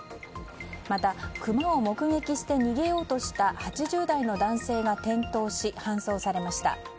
また、クマを目撃して逃げようとした８０代の男性が転倒し搬送されました。